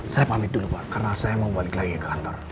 saya pamit dulu pak karena saya mau balik lagi ke kantor